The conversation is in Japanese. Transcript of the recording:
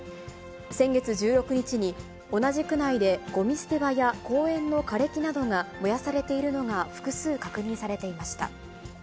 先月１６日に、同じ区内でごみ捨て場や公園の枯れ木などが燃やされているのが複数確認されていました。